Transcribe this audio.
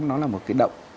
nó là một cái động